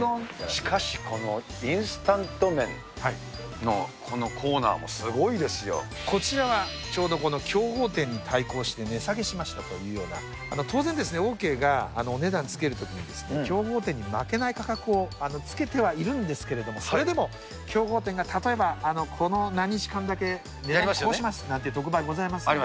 しかしこのインスタント麺のこちらはちょうどこの競合店に対抗して、値下げしましたというような、当然ですね、オーケーがお値段つけるときに、競合店に負けない価格をつけてはいるんですけれども、それでも競合店が例えばこの何日間だけ値下げしますよなんていう特売ございます。